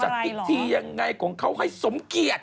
จะจัดกิจที่ยังไงของเขาให้สมเกียรติ